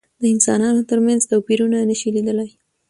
د انسانانو تر منځ توپيرونه نشي لیدلای.